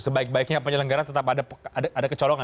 sebaik baiknya penyelenggara tetap ada kecolongan